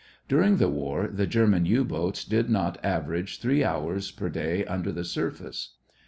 During the war, the German U boats did not average three hours per day under the surface!